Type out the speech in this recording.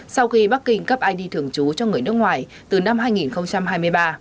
sau khi bắc kinh cấp id thường trú cho người nước ngoài từ năm hai nghìn hai mươi ba